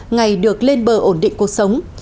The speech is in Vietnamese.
ngày được lên bờ ổn định cuộc sống